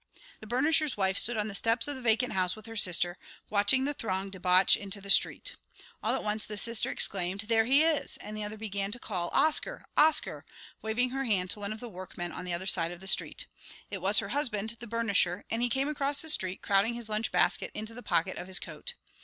The burnisher's wife stood on the steps of the vacant house with her sister, watching the throng debouch into the street. All at once the sister exclaimed, "There he is!" and the other began to call, "Oscar, Oscar!" waving her hand to one of the workmen on the other side of the street. It was her husband, the burnisher, and he came across the street, crowding his lunch basket into the pocket of his coat.